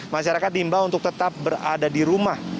masyarakat diimbau untuk tetap berada di rumah